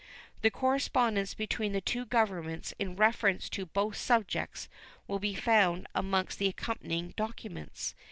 The correspondence between the two Governments in reference to both subjects will be found amongst the accompanying documents.